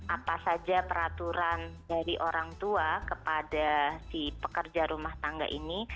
apa saja peraturan dari orang tua kepada si pekerja rumah tangga ini